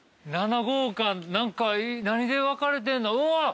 ７号館何か何で分かれてんの？